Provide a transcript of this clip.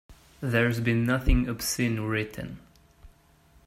There's been nothing obscene written.